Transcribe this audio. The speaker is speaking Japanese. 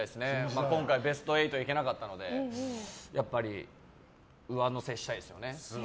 今回ベスト８いけなかったので上乗せしたいですね。